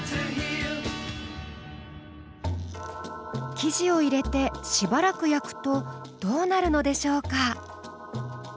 生地を入れてしばらく焼くとどうなるのでしょうか？